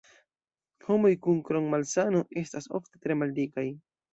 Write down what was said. Homoj kun Crohn-malsano estas ofte tre maldikaj.